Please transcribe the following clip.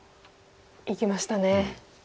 いきましたね。